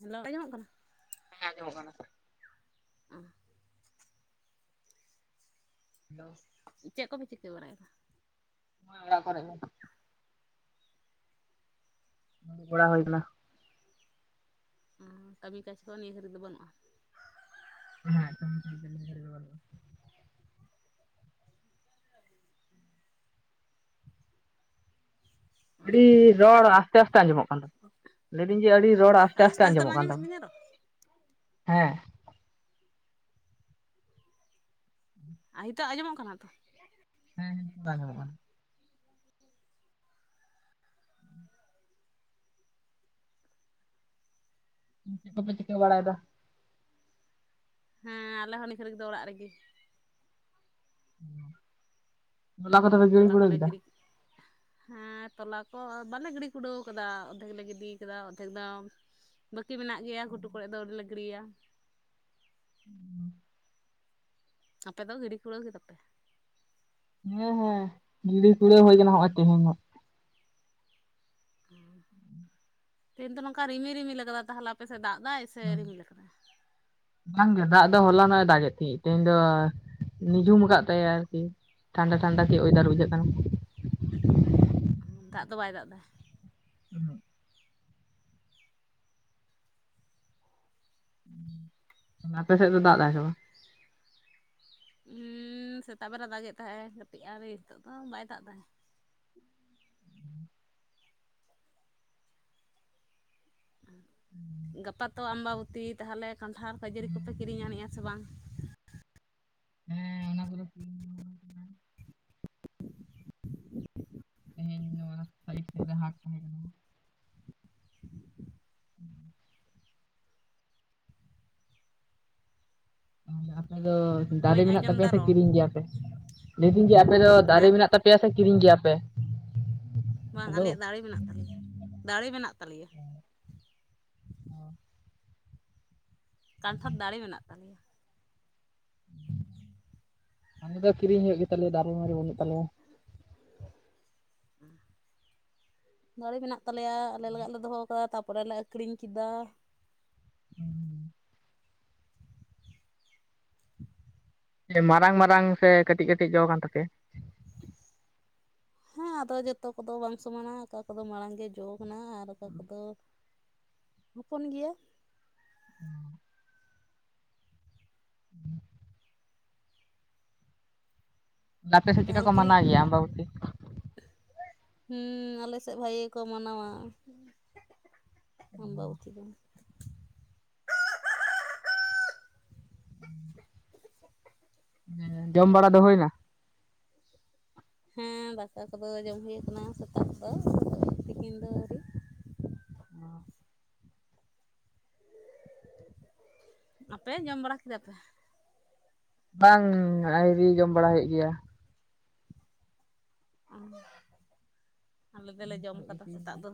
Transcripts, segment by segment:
Hello ᱵᱟᱭ ᱧᱟᱢᱚᱜ ᱠᱟᱱᱟ ᱦᱮᱸ ᱟᱡᱚᱢᱚ-ᱜ ᱠᱟᱱᱟ ᱾ ᱟᱨ ᱫᱚ ᱪᱮᱫ ᱠᱚᱯᱮ ᱪᱤᱠᱟᱹ ᱵᱟᱲᱟᱭᱮᱫᱟ? ᱲᱟ ᱠᱚᱨᱮ ᱢᱮ ᱜᱚᱲᱟ ᱦᱩᱭ ᱠᱟᱱᱟ ᱠᱟᱹᱢᱤ ᱠᱟᱡᱦ ᱱᱤᱭᱟᱹ ᱜᱷᱟᱹᱨᱤᱡ ᱫᱚ ᱵᱟᱹᱱᱩᱜᱼᱟ ᱦᱮᱸ ᱟᱹᱰᱤ ᱨᱚᱲ ᱪᱮᱫᱠᱟᱱᱟᱜ ᱟᱥᱛᱮ ᱟᱥᱛᱮ ᱟᱸᱡᱚᱢᱚᱜ ᱠᱟᱱ ᱫᱚ ᱾ ᱞᱟᱹᱭᱫᱟᱹᱧ ᱡᱮ ᱟᱹᱰᱤ ᱨᱚᱲ ᱟᱥᱛᱮ ᱟᱥᱛᱮ ᱟᱥᱛᱮᱢ ᱟᱸᱡᱚᱢᱚᱜ ᱠᱟᱱ ᱟᱸᱡᱚᱢᱮᱫ ᱛᱤᱧᱟᱹ ᱨᱚᱲ ᱛᱟᱢᱟ ᱦᱮᱸ ᱟᱨ ᱱᱤᱛᱚᱜ ᱟᱸᱡᱚᱢᱚᱜ ᱠᱟᱱᱟ ᱛᱚ ᱦᱮᱸ ᱦᱮᱸ ᱵᱟᱝ ᱜᱟᱱᱚᱜᱼᱟ ᱪᱮ ᱠᱚᱯᱮ ᱪᱤᱠᱟᱹ ᱵᱟᱲᱟᱭ ᱮᱫᱟ ᱦᱮᱸ ᱟᱞᱮ ᱦᱚᱸ ᱱᱤ ᱠᱷᱟᱹᱨᱤ ᱫᱚ ᱚᱲᱟᱜ ᱨᱮᱜᱮ᱾ ᱦᱮᱸ ᱩ ᱛᱚᱞᱟ ᱠᱚᱞᱮ ᱜᱤᱨᱤᱡ ᱦᱮᱸ ᱛᱚᱞᱟ ᱠᱚ ᱵᱟᱞᱮ ᱜᱤᱰᱤ ᱠᱩᱰᱟᱹᱣ ᱟᱠᱟᱫᱟ ᱚᱫᱷᱮᱠ ᱞᱮ ᱜᱤᱰᱤ ᱠᱟᱫᱟ ᱚᱫᱷᱮᱠ ᱫᱚᱚᱢ ᱵᱟᱹᱠᱤ ᱢᱮᱱᱟᱜ ᱜᱮᱭᱟ ᱜᱷᱩᱴᱩ ᱠᱚᱨᱮ ᱫᱚ ᱟᱹᱰᱤ ᱜᱤᱲᱤᱭᱟ᱾ ᱦᱩᱸ ᱟᱯᱮ ᱫᱚ ᱜᱤᱰᱤ ᱠᱩᱲᱟᱹᱣ ᱜᱮᱛᱟᱯᱮ? ᱦᱮᱸ ᱦᱮᱸ ᱜᱤᱲᱤ ᱠᱩᱲᱟᱹ ᱦᱩᱭ ᱠᱟᱱᱟ ᱱᱚᱜᱼᱚᱭ ᱛᱮᱦᱮᱧᱚᱜ᱾ ᱛᱮᱦᱤᱱ ᱫᱚ ᱱᱚᱝᱠᱟ ᱨᱤᱢᱤᱞ ᱨᱤᱢᱤᱞᱟᱜᱫᱟ ᱛᱟᱦᱚᱞᱮ ᱟᱯᱮᱥᱮᱫ ᱫᱟᱜ ᱫᱟᱭ ᱥᱮ ᱨᱤᱢᱤᱞ ᱠᱟᱫᱟᱭ? ᱵᱟᱝ ᱜᱮ ᱫᱟᱜ ᱫᱚ ᱦᱚᱞᱟ ᱱᱚᱜ ᱮ ᱫᱟᱜᱮᱫ ᱛᱟᱸᱷᱤ ᱛᱮᱦᱮᱧ ᱫᱚ, ᱱᱤᱡᱩᱢ ᱟᱠᱟᱫ ᱛᱟᱭᱟ ᱟᱨᱠᱤ ᱴᱷᱟᱱᱰᱟ ᱴᱷᱟᱱᱰᱟ ᱠᱤ ᱚᱭᱟ. ᱨᱫᱟᱨ ᱵᱩᱡᱷᱟᱹᱜ ᱠᱟᱱᱟ᱾ ᱫᱟᱜ ᱫᱚ ᱵᱟᱭ ᱫᱟᱜ ᱫᱟ ᱾ ᱦ ᱟᱯᱮ ᱥᱮᱫ ᱫᱚ ᱫᱟᱜ ᱫᱟᱭ ᱥᱮ ᱵᱟ? ᱦᱮᱸ ᱥᱮᱛᱟᱜ ᱵᱮᱲᱟ ᱫᱟᱜ ᱮᱫ ᱛᱟᱦᱮᱸᱜ ᱠᱟᱴᱤ ᱟᱨ ᱱᱤᱛᱚᱜ ᱫᱚ ᱵᱟᱭ ᱫᱟᱜ ᱛᱟᱦᱮᱸᱜ ᱜᱟᱯᱟ ᱛᱚ ᱟᱢᱵᱟᱵᱚᱛᱤ ᱛᱟᱦᱚᱞᱮ ᱠᱟᱱᱴᱷᱟᱲ ᱠᱷᱟᱹᱡᱟᱹᱲᱤ ᱠᱚᱯᱮ ᱠᱤᱨᱤᱧᱟᱱᱮᱜᱼᱟ ᱥᱮ ᱵᱟᱝ? ᱦᱮᱸ ᱚᱱᱟ ᱠᱚᱨᱮ ᱠᱤᱨᱤᱧ ᱦᱩᱭ ᱠᱟᱱᱟ ᱛᱮᱦᱮᱧ ᱱᱚᱣᱟ ᱥᱟᱭᱤᱰ ᱥᱮᱫ ᱨᱮ ᱦᱟᱴ [unintelligible] ᱛᱟᱦᱮᱸ ᱠᱟᱱᱟ᱾ [unintelligible] ᱦᱮᱸ ᱟᱯᱮ ᱫᱚ ᱫᱟᱨᱮ ᱵᱟᱹᱧ ᱢᱮᱱᱟᱜ ᱟᱸᱡᱚᱢ ᱛᱟᱯᱮᱭᱟ ᱮᱫᱟ ᱥᱮ ᱨᱚᱲ ᱠᱤᱨᱤᱧ ᱜᱮᱭᱟ ᱯᱮ ᱞᱟᱹᱭᱫᱟᱹᱧ ᱡᱮ ᱟᱯᱮ ᱫᱚ ᱫᱟᱨᱮ ᱦᱮᱸ ᱢᱮᱱᱟᱜ ᱛᱟᱯᱮ? ᱯᱮᱭᱟ ᱥᱮ ᱠᱤᱨᱤᱧ ᱜᱮᱭᱟ ᱯᱮ? ᱵᱟᱝ ᱟᱞᱮᱭᱟᱜ ᱫᱟᱲᱮ ᱢᱮᱱᱟᱜ ᱛᱟᱞᱮᱭᱟ ᱫᱟᱲᱮ ᱢᱮᱱᱟᱜ ᱛᱟᱞᱮᱭᱟ ᱠᱟᱱᱴᱷᱟᱲ ᱫᱟᱲᱮ ᱢᱮᱱᱟᱜ ᱛᱟᱞᱮᱭᱟ ᱟᱞᱮ ᱫᱚ ᱠᱤᱨᱤᱧ ᱦᱩᱭᱩᱜ ᱜᱮᱛᱟᱞᱮᱭᱟ ᱫᱟᱨᱮ ᱱᱟᱲᱮ ᱵᱟᱹᱱᱩᱜ ᱛᱟᱞᱮᱭᱟ ᱾ ᱩᱸ ᱫᱟᱲᱮ ᱢᱮᱱᱟᱜ ᱛᱟᱞᱮᱭᱟ ᱟᱞᱮ ᱞᱟᱜ ᱞᱮ ᱫᱚᱦᱚ ᱟᱠᱟᱫᱟ ᱛᱟᱯᱚᱨᱮᱞᱮ ᱟᱠᱷᱨᱤᱧ ᱠᱮᱫᱟ ᱾ ᱦᱩᱸ ᱢᱟᱨᱟᱝ ᱢᱟᱨᱟᱝ ᱥᱮ ᱠᱟᱹᱴᱤᱡ ᱠᱟᱹᱴᱤᱡ ᱡᱚ ᱠᱟᱱ ᱛᱟᱯᱭᱟ? ᱦᱮᱸ ᱟᱫᱚ ᱡᱚᱛᱚ ᱠᱚᱫᱚ ᱵᱟᱝ ᱥᱚᱢᱟᱱᱟ ᱚᱠᱟ ᱠᱚᱫᱚ ᱢᱟᱲᱟᱝ ᱜᱮ ᱡᱚ ᱠᱟᱱᱟ ᱟᱨ ᱚᱠᱟ ᱠᱚᱫᱚ ᱦᱚᱯᱚᱱ ᱜᱮᱭᱟ ᱾ ᱦ ᱦᱮᱸ ᱱᱟᱯᱮ ᱥᱮ ᱪᱮᱠᱟ ᱠᱚ ᱢᱟᱱᱟ ᱜ ᱜᱮᱭᱟ ᱟᱵᱟᱵᱩᱛᱮ? ᱦᱮᱸ ᱟᱞᱮ ᱥᱮᱫ ᱵᱷᱟᱹᱜᱮ ᱜᱮᱠᱚ ᱢᱟᱱᱟᱣᱟ ᱾ ᱟᱢᱵᱟᱵᱚᱛᱤ ᱫᱚ ᱡᱚᱢ ᱵᱟᱲᱟ ᱫᱚ ᱦᱩᱭᱱᱟ? ᱦᱮᱸ ᱫᱟᱠᱟ ᱠᱚᱫᱚ ᱡᱚᱢ ᱦᱩᱭ ᱠᱟᱱᱟ ᱥᱮᱛᱟᱜ ᱫᱚ, ᱛᱤᱠᱤᱱ ᱫᱚ ᱟᱣᱨᱤ [inaudible] ᱟᱯᱮ, ᱡᱚᱢ ᱵᱟᱲᱟ ᱠᱮᱫᱟ ᱯᱮ? ᱵᱟᱝ ᱟᱹᱣᱨᱤ ᱡᱚᱢ ᱵᱟᱲᱟᱭ ᱦᱩᱭᱩᱜ ᱜᱮᱭᱟ᱾ ᱚᱸ ᱟᱞᱮ ᱫᱚᱞᱮ ᱡᱚᱢ ᱱᱚᱜᱼᱚᱭ ᱠᱟᱫᱟ ᱥᱮᱛᱟᱜ ᱫᱚ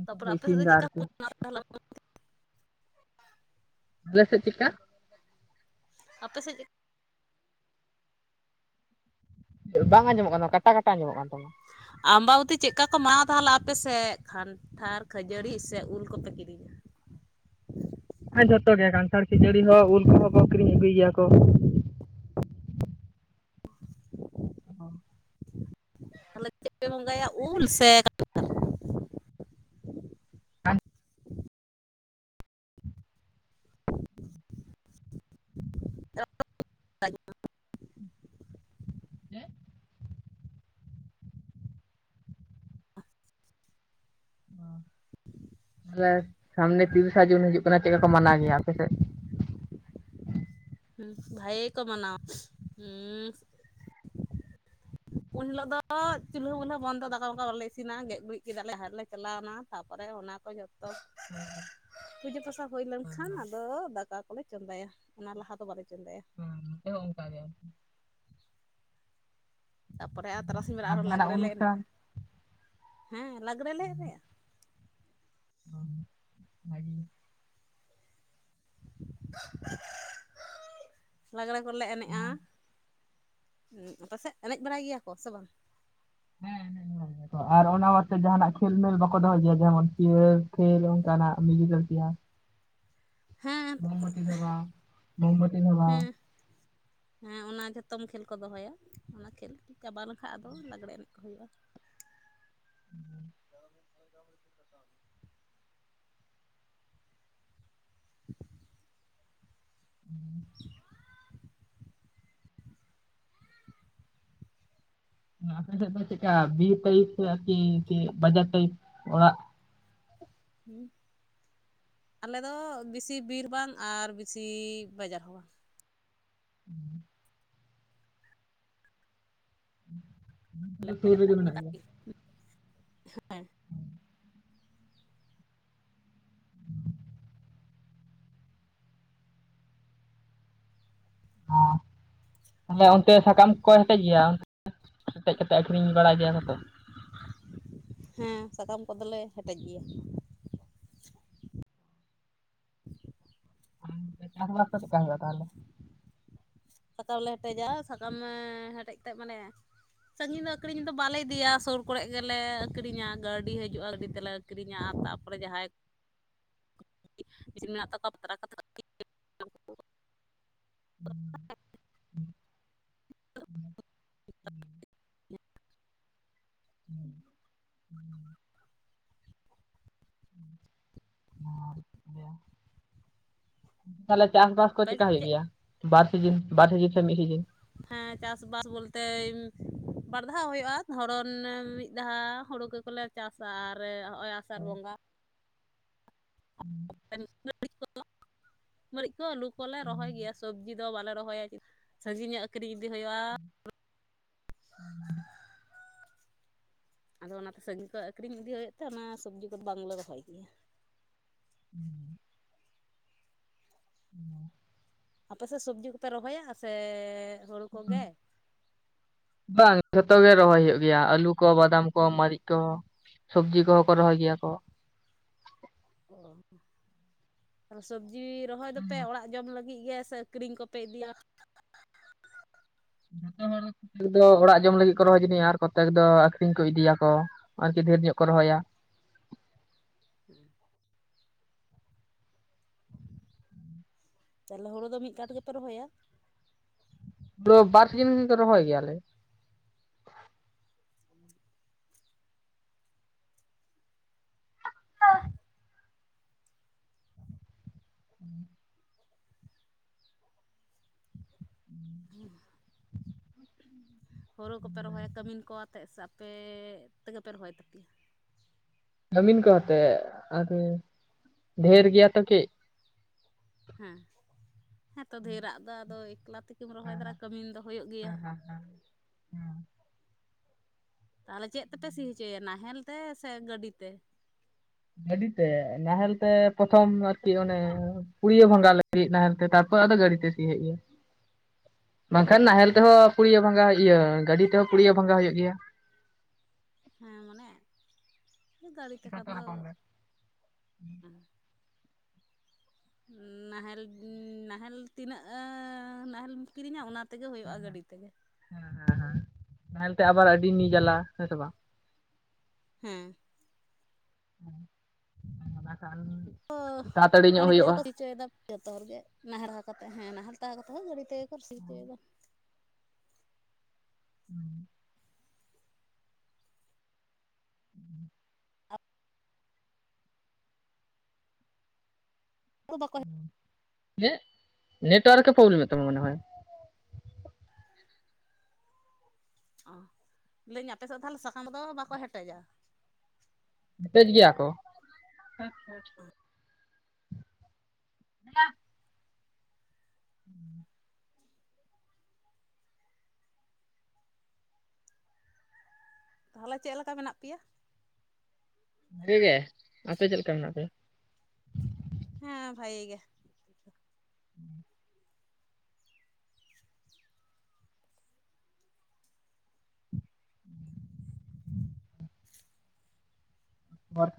ᱱᱤᱛᱚᱜ ᱠᱚ ᱛᱟᱯᱚᱨᱮ ᱟᱯᱮ ᱥᱮᱫ ᱤᱥᱤᱱ ᱫᱚ ᱫᱟ ᱪᱮᱫᱠᱟ? ᱟᱨᱠᱤ᱾ [unintelligible] [unintelligible] ᱟᱞᱮ ᱥᱮᱫ ᱪᱮᱫᱠᱟ? ᱟᱯᱮ ᱥᱮ ᱵᱟᱝ ᱟᱸᱡᱚᱢᱚᱜ ᱠᱟᱱᱟ ᱠᱟᱴᱟ ᱠᱟᱴᱟ ᱟᱸᱡᱚᱢᱚᱜ ᱠᱟᱱ ᱛᱟᱢᱟ ᱟᱢᱵᱟᱵᱚᱛᱤ ᱪᱮᱫᱠᱟ ᱠᱚ ᱢᱟᱱᱟᱣ ᱛᱟᱦᱚᱞᱮ ᱟᱯᱮ ᱥᱮᱫ? ᱠᱷᱟᱱ ᱛᱷᱟᱨ ᱠᱷᱟᱹᱡᱟᱹᱲᱤ ᱥᱮ ᱩᱞ ᱠᱚᱯᱮ ᱠᱤᱨᱤᱧᱟ? ᱦᱚᱸ ᱡᱷᱚᱛᱚ ᱜᱮ ᱠᱟᱱᱴᱷᱟᱲ ᱠᱷᱟᱹᱡᱟᱹᱲᱤ ᱦᱚᱸ ᱩᱞ ᱠᱚᱦᱚᱸ ᱠᱚ ᱠᱤᱨᱤᱧ ᱟᱹᱜᱩᱭ ᱜᱮᱭᱟ ᱠᱚ᱾ ᱚ ᱛᱟᱞᱦᱮ ᱪᱮᱫ ᱯᱮ ᱵᱚᱸᱜᱟᱭᱟ ᱩᱞ ᱥᱮ? [unintelligible] [unintelligible] [inaudible] [inaudible] ᱛᱟᱦᱚᱞᱮ ᱥᱟᱢᱱᱮ ᱛᱤᱨᱤᱥᱟ ᱡᱩᱱ ᱦᱤᱡᱩᱜ ᱠᱟᱱᱟ ᱪᱮᱫᱠᱟ ᱠᱚ ᱢᱟᱱᱟᱣ ᱜᱮᱭᱟ ᱟᱯᱮ ᱥᱮᱫ? ᱦᱩᱸ ᱵᱷᱟᱭ ᱠᱚ ᱢᱟᱱᱟᱣᱟ ᱦᱩᱸ ᱩᱱ ᱦᱤᱞᱳᱜ ᱫᱚ ᱪᱩᱞᱦᱟᱹ ᱵᱩᱞᱦᱟᱹ ᱵᱚᱱᱫᱚ ᱫᱟᱠᱟ ᱢᱟᱠᱟ ᱵᱟᱞᱮ ᱤᱥᱤᱱᱟ ᱜᱮᱡ ᱜᱩᱨᱤᱡ ᱠᱮᱫᱟ ᱞᱮ ᱟᱨ ᱞᱮ ᱪᱟᱞᱟᱣᱱᱟ ᱛᱟᱯᱚᱨᱮ ᱚᱱᱟ ᱠᱚ ᱡᱚᱛᱚ ᱯᱩᱡᱟᱹ ᱯᱟᱥᱟ ᱦᱩᱭ ᱞᱮᱱ ᱦᱮᱸ ᱠᱷᱟᱱ ᱟᱫᱚ ᱫᱟᱠᱟ ᱠᱚᱞᱮ ᱪᱚᱸᱫᱟᱭᱟ ᱚᱱᱟ ᱞᱟᱦᱟ ᱫᱚ ᱵᱟᱞᱮ ᱪᱚᱸᱫᱟᱭᱟ᱾ ᱦᱩᱸ ᱱᱚᱛᱮ ᱦᱚ ᱚᱱᱠᱟ ᱜᱮ ᱛᱟᱯᱚᱨᱮ ᱟᱨ ᱛᱟᱨᱟᱥᱤᱧ ᱵᱮᱟᱨ ᱟᱨ ᱟᱨᱦᱚᱸ ᱡᱟᱦᱟᱱᱟᱜ ᱞᱟᱜᱽᱲᱮ ᱞᱮ ᱚᱱᱩᱥᱴᱷᱟᱱ? ᱮᱱᱮᱡᱼᱟ, ᱦᱮᱸ ᱞᱟᱸᱜᱽᱲᱮ ᱞᱮ ᱮᱱᱮᱡᱼᱟ ᱦᱩᱸ ᱵᱟᱜᱤ ᱞᱟᱜᱽᱲᱮ ᱠᱚᱞᱮ ᱮᱱᱮᱡᱼᱟ ᱦᱩᱸ ᱟᱯᱮᱥᱮᱫ ᱮᱱᱮᱡ ᱵᱟᱲᱟᱭ ᱜᱮᱭᱟ ᱠᱚ ᱥᱮ ᱵᱟᱝ? ᱦᱮᱸ ᱦᱮᱸ ᱟᱨ ᱚᱱᱟ ᱵᱟᱫᱽ ᱛᱮ ᱡᱟᱦᱟᱱᱟᱜ ᱠᱷᱮᱞ ᱢᱮᱞ ᱵᱟᱠᱚ ᱫᱚᱦᱚᱭ ᱜᱮᱭᱟ? ᱡᱮᱢᱚᱱ ᱪᱤᱭᱟᱹᱨ ᱠᱷᱮᱞ ᱚᱱᱠᱟᱱᱟᱜ ᱢᱤᱭᱩᱡᱤᱠᱮᱞ ᱪᱮᱭᱟᱨ ᱦᱮᱸ ᱢᱳᱢᱵᱟᱛᱤ ᱫᱷᱚᱨᱟ ᱢᱳᱢᱵᱚᱛᱤ ᱫᱷᱚᱨᱟᱣ [inaudible] ᱦᱮᱸ ᱚᱱᱟ ᱡᱚᱛᱚᱢ ᱠᱷᱮᱞ ᱠᱚ ᱫᱚᱦᱚᱭᱟ ᱚᱱᱟ ᱠᱷᱮᱞ ᱪᱟᱵᱟ ᱞᱮᱱᱠᱷᱟᱡ ᱟᱫᱚ ᱞᱟᱜᱽᱲᱮ ᱮᱱᱮᱡ ᱠᱚ ᱦᱩᱭᱩᱜᱼᱟ [unintelligible] [inaudible] [inaudible] [inaudible] ᱟᱯᱮᱥᱮᱫ ᱫᱚ ᱪᱮᱫᱠᱟ ᱵᱤᱨ ᱴᱟᱭᱤᱯ ᱠᱤ ᱵᱟᱡᱟᱨ ᱴᱟᱭᱤᱯ ᱚᱲᱟᱜ? ᱦᱩᱸ ᱟᱞᱮᱫᱚ ᱵᱮᱥᱤ ᱵᱤᱨ ᱵᱟᱝ ᱟᱨ ᱵᱮᱥᱤ ᱵᱟᱡᱟᱨ ᱦᱚᱸ ᱵᱟᱝ ᱦᱩᱸ [unintelligible] ᱚᱱᱟ ᱠᱚᱫᱚ [unintelligible] ᱨᱮᱜᱮ ᱢᱮᱱᱟᱜ ᱜᱮᱭᱟ ᱚ ᱛᱟᱦᱚᱞᱮ ᱚᱱᱛᱮ ᱥᱟᱠᱟᱢ ᱠᱚ ᱦᱮᱴᱮᱡ ᱜᱮᱭᱟ? ᱦᱮᱴᱮᱡ ᱠᱟᱛᱮ ᱟᱠᱷᱨᱤᱧ ᱵᱟᱲᱟᱭ ᱜᱮᱭᱟ ᱠᱚᱛᱚ ᱦᱮᱸ ᱥᱟᱠᱟᱢ ᱠᱚᱫᱚᱞᱮ ᱦᱮᱴᱮᱡ ᱜᱮᱭᱟ ᱟᱨ ᱪᱟᱥ ᱵᱟᱥ ᱠᱚ ᱪᱮᱫᱠᱟ ᱦᱩᱭᱩᱜᱼᱟ ᱛᱟᱦᱚᱞᱮ? ᱥᱟᱠᱟᱢ ᱞᱮ ᱦᱮᱴᱮᱡᱟ ᱥᱟᱠᱟᱢ ᱦᱮᱴᱮᱡ ᱠᱟᱛᱮᱫ ᱢᱟᱱᱮ ᱥᱟᱺᱜᱤᱧ ᱫᱚ ᱟᱠᱷᱨᱤᱧ ᱫᱚ ᱵᱟᱞᱮ ᱤᱫᱤᱭᱟ ᱥᱩᱨ ᱠᱚᱨᱮ ᱜᱮᱞᱮ ᱟᱠᱷᱨᱤᱧᱟ ᱜᱟᱹᱰᱤ ᱦᱤᱡᱩᱜᱼᱟ ᱜᱟᱹᱰᱤ ᱛᱮᱞᱮ ᱟᱠᱠᱷᱨᱤᱧᱟ ᱛᱟᱨᱯᱚᱨᱮ ᱡᱟᱦᱟᱸᱭ [unintelligible] ᱯᱟᱛᱨᱟ ᱠᱟᱛᱮᱫ ᱢᱮᱱᱟᱜ ᱛᱟᱠᱚᱣᱟ [unintelligible] ᱦᱩᱸ [unintelligible] [inaudible] ᱦᱩᱸ ᱦᱩᱸ [unintelligible] ᱟᱨ ᱜᱮᱭᱟ [unintelligible] ᱛᱟᱦᱚᱞᱮ ᱪᱟᱥᱵᱟᱥ ᱠᱚ ᱟᱯᱮ ᱪᱮᱠᱟ ᱪᱮᱫ ᱦᱩᱭᱩᱜ ᱜᱮᱭᱟ ᱵᱟᱨ ᱥᱤᱡᱤᱱ ᱵᱟᱨ ᱥᱤᱡᱤᱱ ᱥᱮ ᱢᱤᱫ ᱥᱤᱡᱤᱱ ᱦᱮᱸ ᱪᱟᱥᱵᱟᱥ ᱵᱚᱞᱛᱮ ᱵᱟᱨᱫᱷᱟᱣ ᱦᱩᱭᱩᱜᱼᱟ ᱫᱷᱚᱨᱚᱱ ᱢᱤᱫ ᱫᱷᱟᱣ ᱦᱩᱲᱩ ᱠᱚᱠᱚ ᱞᱮ ᱪᱟᱥᱟ ᱟᱨ ᱦᱚᱜᱼᱚᱭ ᱥᱟᱱ ᱵᱚᱸᱜᱟ ᱦᱩᱸ ᱢᱟᱹᱨᱤᱪ ᱠᱚ [unintelligible] ᱟᱹᱞᱩ ᱠᱚᱞᱮ ᱨᱚᱦᱚᱭ ᱜᱮᱭᱟ ᱥᱚᱵᱽᱡᱤ ᱫᱚ ᱫᱚ ᱵᱟᱞᱮ ᱨᱚᱦᱚᱭᱟ ᱥᱟᱹᱜᱤᱧ ᱧᱚᱜ ᱟᱹᱠᱷᱨᱤᱧ ᱤᱫᱤ ᱦᱩᱭᱩᱜᱼᱟ [inaudible] ᱟᱫᱚ ᱚᱱᱟᱛᱮ ᱥᱟᱹᱜᱤᱧ ᱠᱚ ᱟᱠᱷᱨᱤᱧ ᱤᱫᱤ ᱦᱩᱭᱩᱜ ᱛᱮ ᱚᱱᱟ ᱥᱚᱵᱡᱤ ᱠᱚᱫᱚ ᱵᱟᱝᱞᱮ ᱨᱚᱦᱚᱭ ᱜᱮᱭᱟ ᱦᱩᱸ ᱦᱮᱸ ᱟᱯᱮᱥᱮᱫ ᱥᱚᱵᱽᱡᱤ ᱠᱚᱯᱮ ᱨᱚᱦᱚᱭᱟ ᱥᱮ ᱦᱩᱲᱩ ᱠᱚᱜᱮ ᱵᱟᱝ ᱡᱷᱚᱛᱚ ᱜᱮ ᱨᱚᱦᱚᱭ ᱦᱩᱭᱩᱜ ᱜᱮᱭᱟ ᱟᱹᱞᱩ ᱠᱚ ᱵᱟᱫᱟᱢ ᱠᱚ ᱢᱟᱨᱤᱡ ᱠᱚ ᱥᱚᱵᱽᱡᱤ ᱠᱚᱦᱚᱸ ᱠᱚ ᱨᱚᱦᱚᱭ ᱜᱮᱭᱟ ᱠᱚ ᱚ ᱥᱚᱵᱡᱤ ᱨᱚᱦᱚᱭ ᱫᱚᱯᱮ ᱚᱲᱟᱜ ᱡᱚᱢ ᱞᱟᱹᱜᱤᱫ ᱞᱟᱹᱜᱤᱫ ᱜᱮ ᱥᱮ ᱟᱹᱠᱷᱨᱤᱧ ᱠᱚᱯᱮ ᱤᱫᱤᱭᱟ ᱡᱚᱛᱚ ᱦᱚᱲ [unintelligible] ᱠᱚᱭᱮᱠ ᱫᱚ ᱚᱲᱟᱜ ᱡᱚᱢ ᱞᱟᱹᱜᱤᱫ ᱠᱚ ᱨᱚᱦᱚᱭ ᱡᱟᱱᱤᱡ ᱟᱨ ᱠᱚᱛᱮᱠ ᱫᱚ ᱟᱠᱷᱨᱤᱧ ᱠᱚ ᱤᱫᱤᱭᱟᱠᱚ ᱟᱨᱠᱤ ᱰᱷᱮᱨ ᱧᱚᱜ ᱠᱚ ᱨᱚᱦᱚᱭᱟ ᱦᱮᱸ ᱛᱟᱦᱚᱞᱮ ᱦᱳᱲᱳ ᱫᱚ ᱢᱤᱫ [unintelligible] ᱥᱟᱶᱛᱮ ᱜᱮᱯᱮ ᱨᱚᱦᱚᱭᱟ ᱵᱟᱨ ᱥᱤᱡᱤᱱ ᱫᱚ ᱨᱚᱦᱚᱭ ᱜᱮᱭᱟᱞᱮ ᱮᱢᱚᱱᱤᱡ [unintelligible] ᱦᱩᱸ [unintelligible] ᱦᱮᱸ ᱦᱳᱨᱳ ᱠᱚᱯᱮ ᱨᱚᱦᱚᱭᱟ ᱠᱟᱹᱢᱤᱱ ᱠᱚ ᱛᱮᱫ ᱥᱮ ᱟᱯᱮ ᱛᱮᱜᱮ ᱯᱮ ᱨᱚᱦᱚᱭ ᱛᱟᱯᱮᱭᱟ ᱠᱟᱹᱢᱤᱱ ᱠᱚ ᱟᱛᱮᱫ ᱟᱫᱚ ᱰᱷᱮᱨ ᱜᱮᱭᱟ ᱛᱚ ᱛᱤᱡ ᱦᱮᱸ ᱦᱮᱸ ᱛᱚ ᱫᱷᱮᱨᱟᱜ ᱫᱚ ᱟᱫᱚ ᱮᱠᱞᱟ ᱛᱮ ᱠᱤᱢ ᱨᱚᱦᱚᱭ ᱫᱟᱨᱮᱜ-ᱟ ᱠᱟᱹᱢᱤ ᱫᱚ ᱦᱩᱭᱩᱜ ᱜᱮᱭᱟ ᱦᱮ ᱦᱩᱸ ᱛᱟᱞᱦᱮ ᱪᱮᱫ ᱛᱮᱯᱮ ᱥᱤ ᱦᱚᱪᱚᱭᱟ ᱱᱟᱦᱮᱞ ᱛᱮ ᱥᱮ ᱜᱟᱹᱰᱤ ᱛᱮ ᱜᱟᱹᱰᱤ ᱛᱮ ᱱᱟᱦᱮᱞ ᱛᱮ ᱯᱚᱛᱷᱚᱢ ᱟᱨᱠᱤ ᱚᱱᱮ ᱠᱩᱲᱭᱟᱹ ᱵᱷᱟᱸᱜᱟᱶ ᱞᱟᱹᱜᱤᱫ ᱱᱟᱦᱮᱞ ᱛᱮ ᱛᱟᱨᱯᱚᱨ ᱟᱫᱚ ᱜᱟᱹᱰᱤ ᱛᱮ ᱥᱤ ᱦᱩᱭᱩᱜ ᱜᱮᱭᱟ ᱚ ᱵᱟᱝᱠᱷᱟᱱ ᱱᱟᱦᱮᱞ ᱛᱮᱦᱚᱸ ᱯᱩᱲᱭ ᱵᱷᱟᱸᱜᱟ ᱤᱭᱟᱹ ᱜᱟᱹᱰᱤ ᱛᱮᱦᱚᱸ ᱯᱩᱲᱭ ᱵᱷᱟᱸᱜᱟ ᱦᱩᱭᱩᱜ ᱜᱮᱭᱟ ᱦᱮᱸ ᱢᱟᱱᱮ ᱜᱟᱹᱲᱤ ᱛᱮᱠᱷᱟᱱ ᱡᱚᱛᱚ ᱫᱚ ᱨᱚᱠᱚᱢ ᱜᱮ ᱱᱟᱦᱮᱞ ᱱᱟᱦᱮᱞ ᱛᱤᱱᱟᱹᱜ ᱱᱟᱦᱮᱞ ᱮᱢ ᱠᱤᱨᱤᱧᱟ ᱚᱱᱟ ᱛᱮᱜᱮ ᱦᱩᱭᱩᱜᱼᱟ ᱜᱟᱹᱰᱤ ᱛᱮᱜᱮ ᱦᱮᱸ ᱦᱮᱸ ᱦᱮᱸ ᱱᱟᱦᱮᱞ ᱛᱮ ᱟᱵᱟᱨ ᱟᱹᱰᱤ ᱱᱤ ᱡᱟᱞᱟ ᱦᱮᱸ ᱥᱮ ᱵᱟᱝ ᱦᱮᱸ [inaudible] ᱚ ᱛᱟᱲᱟᱛᱟᱹᱲᱤ ᱧᱚᱜ ᱜᱟᱲᱤ ᱛᱮᱜᱮ ᱦᱩᱭᱩᱜᱼᱟ ᱠᱚ ᱥᱤ ᱦᱚᱪᱚᱭ ᱫᱟ ᱡᱚᱛᱚ ᱦᱚᱲᱜᱮ ᱱᱟᱦᱟᱨᱟ ᱠᱟᱛᱮ ᱦᱮᱸ ᱱᱟᱦᱮᱞ ᱦᱟᱛᱟᱣ ᱠᱟᱛᱮ ᱦᱚᱸ ᱜᱟᱹᱰᱤ ᱛᱮᱜᱮ ᱠᱚ ᱥᱤ ᱦᱚᱪᱚᱭ ᱫᱟ ᱦᱩᱸ ᱵᱟᱠᱚ [unintelligible] ᱱᱮᱴᱚᱣᱟᱨᱠ ᱮ ᱯᱨᱚᱵᱞᱮᱢ ᱛᱟᱢᱟ ᱢᱚᱱᱮ ᱦᱚᱭ [unintelligible] ᱚ ᱞᱟᱹᱭ ᱮᱜᱟᱧ ᱟᱯᱮ ᱥᱮᱫ ᱫᱚ ᱛᱟᱦᱚᱞᱮ ᱥᱟᱠᱟᱢ ᱫᱚ ᱵᱟᱠᱚ ᱦᱮᱴᱮᱡᱟ ᱦᱮᱯᱮᱡ ᱜᱮᱭᱟ ᱠᱚ ᱾ [unintelligible] ᱟᱪᱷᱟ - ᱟᱪᱷᱟ᱾ ᱫᱮᱞᱟ ᱾ ᱦᱩᱸ ᱛᱟᱦᱚᱞᱮ ᱪᱮᱫ ᱞᱮᱠᱟ ᱢᱮᱱᱟᱜ ᱯᱮᱭᱟ᱾ ᱵᱷᱟᱹᱜᱤ ᱜᱮ ᱟᱯᱮ ᱪᱮᱫ ᱞᱮᱠᱟ ᱢᱮᱱᱟᱜ ᱯᱮᱭᱟ? ᱦᱮᱸ ᱵᱷᱟ. ᱜᱤ ᱜᱮ ᱾ ᱟᱪᱷᱟ ᱾ [unintelligible] ᱵᱟᱨᱼᱼ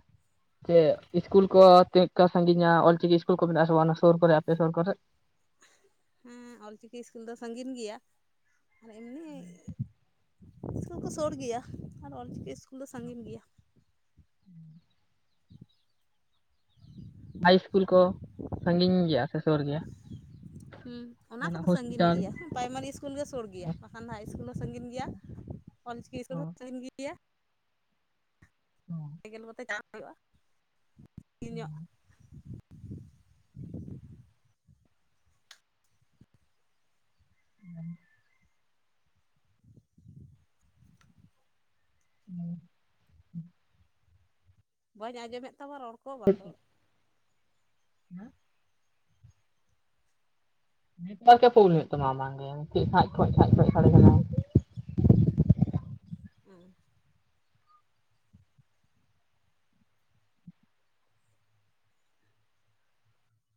ᱪᱮᱫ ᱤᱥᱠᱩᱞ ᱠᱚ ᱛᱤᱱᱟ. ᱜᱟᱱ ᱥᱟᱺᱜᱤᱧᱟ, ᱚᱞ ᱪᱤᱠᱤ ᱤᱥᱠᱩᱞ ᱠᱚ ᱢᱮᱱᱟᱜ-ᱟ ᱥᱮ ᱵᱟᱝ ᱚᱱᱟ ᱥᱩᱨ ᱠᱚᱨᱮ ᱟᱯᱮ ᱥᱩᱨ ᱠᱚᱨᱮᱜ? ᱦᱩᱸ ᱚᱞ ᱪᱤᱠᱤ ᱤᱥᱠᱩᱞ ᱫᱚ ᱥᱟᱺᱜᱤᱧ ᱜᱮᱭᱟ ᱟᱨ ᱮᱢᱱᱤ ᱤᱥᱠᱩᱞ ᱠᱚ ᱥᱩᱨ ᱜᱮᱭᱟ ᱟᱨ ᱚᱞ ᱪᱤᱠᱤ ᱤᱥᱠᱩᱞ ᱫᱚ ᱥᱟᱺᱜᱤᱧ ᱜᱮᱭᱟ ᱾ [unintelligible] ᱦᱟᱭ ᱤᱥᱠᱩᱞ ᱠᱚ ᱥᱟᱺᱜᱤᱧ ᱜᱮᱭᱟ ᱥᱮ ᱥᱩᱨ ᱜᱮᱭᱟ.? ᱦᱩᱸ ᱚᱱᱟ ᱡᱟᱦᱟᱱᱟᱜ ᱠᱚᱫᱚ ᱥᱟᱺᱜᱤᱧ ᱦᱚᱥᱯᱤᱴᱟᱞ ᱜᱮᱭᱟ ᱯᱨᱟᱭᱢᱟᱨᱤ ᱤᱥᱠᱩᱞ ᱜᱮ ᱥᱩᱨ ᱜᱮᱭᱟ ᱵᱟᱠᱷᱟᱱ ᱫᱚ ᱦᱟᱭ ᱤᱥᱠᱩᱞ ᱫᱚ ᱥᱟᱺᱜᱤᱧ ᱜᱤᱭᱟ. ᱾ ᱚᱞ ᱪᱤᱠᱤ ᱤᱥᱠᱩᱞ ᱦᱚᱸ ᱥᱟᱺᱜᱤᱧ ᱾ ᱚᱸᱻ ᱯᱮ ᱜᱮᱞ ᱠᱚᱛᱮ ᱪᱟᱥ ᱦᱩᱭᱩᱜᱼᱟ ᱾ ᱦᱩᱸᱻ ᱾ [inaudible] [inaudible] [inaudible] ᱦᱮᱸ ᱵᱟᱹᱧ ᱟᱸᱡᱚᱢᱮᱫ ᱛᱟᱢᱟ ᱨᱚᱲ ᱠᱚ ᱵᱟᱸᱫᱚ? ᱦᱮᱸ ᱱᱮᱴᱣᱟᱨᱠ ᱮ ᱯᱨᱳᱵᱽᱞᱮᱢ ᱮᱫ ᱛᱟᱢᱟ ᱟᱢᱟᱝ ᱜᱮ ᱪᱮᱫ ᱠᱷᱟᱸ- ᱠᱷᱚᱸᱭ ᱠᱷᱟᱸ- ᱠᱷᱚᱸᱭ ᱥᱟᱰᱮ ᱠᱟᱱᱟ ᱾ ᱩᱸᱻ ᱾